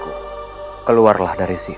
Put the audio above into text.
putraku keluar dari sini